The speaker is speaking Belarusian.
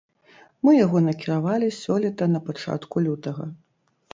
Мы яго накіравалі сёлета на пачатку лютага.